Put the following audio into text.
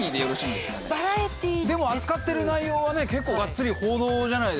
でも扱ってる内容は結構がっつり報道じゃないですか。